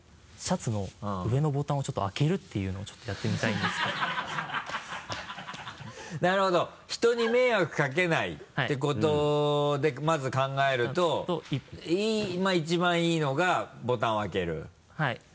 シャツの上のボタンをちょっと開けるっていうのをちょっとやってみたいんですけどなるほど人に迷惑かけないってことでまず考えるとまぁ一番いいのがボタンを開けるはい。